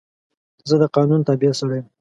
زه د قانون تابع سړی یم.